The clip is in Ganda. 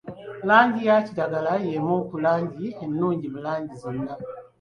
Langi ya kiragala y'emu ku langi ennungi mu langi zonna.